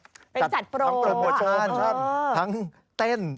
เป็นจัดโปรใช่ไหมครับใช่ใช่ค่ะทั้งประโยชน์ทั้งเต้น